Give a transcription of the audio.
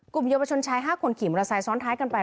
กลุ่มเยอะประชนชาย๕คนขี่มอเตอร์ไซค์ซ้อนท้ายกันไป